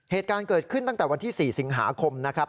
เหตุการณ์เกิดขึ้นตั้งแต่วันที่๔สิงหาคมนะครับ